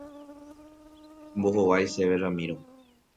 Ombohovái chéve Ramiro.